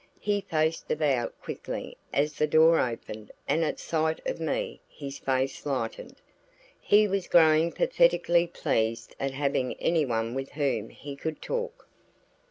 He faced about quickly as the door opened and at sight of me his face lightened. He was growing pathetically pleased at having anyone with whom he could talk.